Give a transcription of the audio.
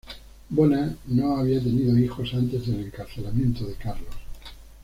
Bona no había tenido hijos antes del encarcelamiento de Carlos.